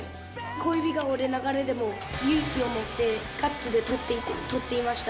小指が折れながらでも、勇気をもってガッツで取っていました。